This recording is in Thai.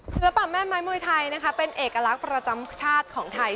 ศิลปะแม่ไม้มวยไทยนะคะเป็นเอกลักษณ์ประจำชาติของไทย